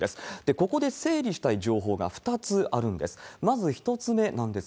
ここで整理したい情報が２つあるんです。